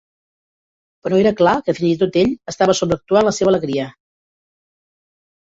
Però era clar que fins i tot ell estava sobreactuant la seva alegria.